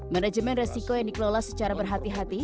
manajemen resiko yang dikelola secara berhati hati